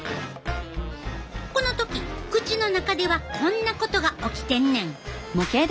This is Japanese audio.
この時口の中ではこんなことが起きてんねん。